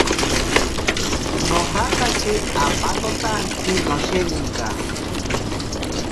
Nojatache apatotaantsi nosheninka.